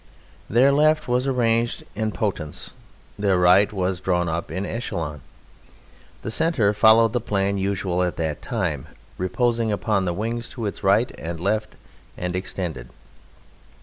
] Their left was arranged en potence, their right was drawn up in echelon. The centre followed the plan usual at that time, reposing upon the wings to its right and left and extended.